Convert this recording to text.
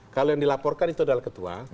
kalau yang dilaporkan itu adalah ketua